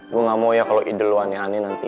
gue gak mau ya kalau ide lo aneh aneh nanti